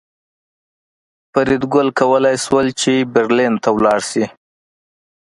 فریدګل کولی شول چې برلین ته لاړ شي